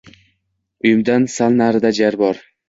Uyimdan sal narida jar bor